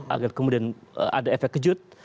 agar kemudian ada efek kejut